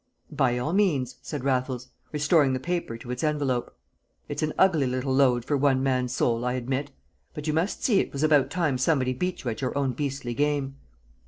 "By all means," said Raffles, restoring the paper to its envelope. "It's an ugly little load for one man's soul, I admit; but you must see it was about time somebody beat you at your own beastly game."